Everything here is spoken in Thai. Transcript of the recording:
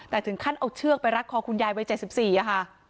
แต่ถึงขั้นเอาเชือกไปรัดคอคุณยายวัยเจ็ดสิบสี่อ่ะค่ะ